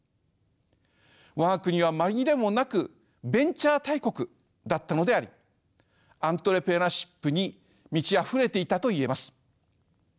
我が国は紛れもなくベンチャー大国だったのでありアントレプレナーシップに満ちあふれていたといえます。